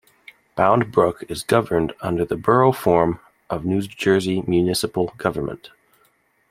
Bound Brook is governed under the Borough form of New Jersey municipal government.